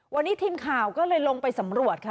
วันนี้ทีมข่าวก็เลยลงไปสำรวจค่ะ